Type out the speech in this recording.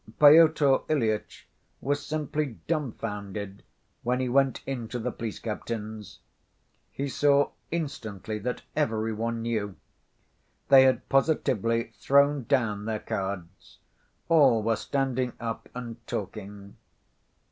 Pyotr Ilyitch was simply dumbfounded when he went into the police captain's. He saw instantly that every one knew. They had positively thrown down their cards, all were standing up and talking.